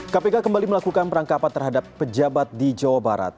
kpk kembali melakukan perangkapan terhadap pejabat di jawa barat